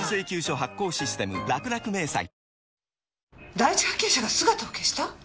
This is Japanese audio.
第一発見者が姿を消した？